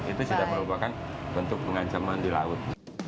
itu sudah merupakan bentuk pengancaman di laut